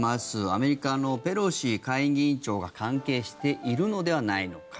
アメリカのペロシ下院議長が関係しているのではないのか。